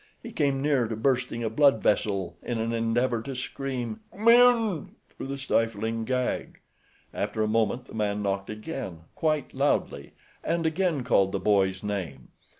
He came near to bursting a blood vessel in an endeavor to scream "come in" through the stifling gag. After a moment the man knocked again, quite loudly and again called the boy's name.